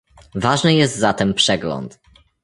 Ważny jest zatem przegląd